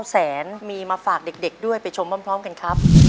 ผมก็จะสามารถว่ามีท่ามีมาฝากเด็กเด็กด้วยไปชมพร้อมพร้อมกันครับ